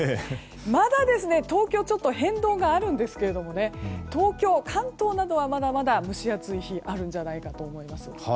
まだ東京ちょっと変動があるんですけど東京、関東などはまだまだ蒸し暑い日あるんじゃないかと思います。